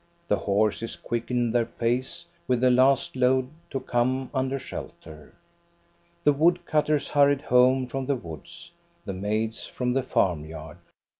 The horses quickened their pace with the last load to come under shelter. The wood cutters hurried home from the woods, the maids from the farmyard.